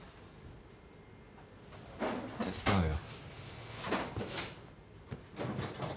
手伝うよ。